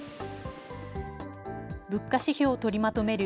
物価指標を取りまとめる